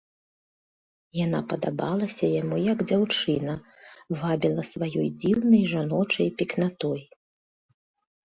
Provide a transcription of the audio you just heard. Яна падабалася яму як дзяўчына, вабіла сваёй дзіўнай жаночай пекнатой.